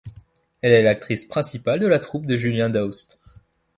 Elle est l'actrice principale de la troupe de Julien Daoust.